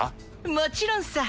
もちろんさ。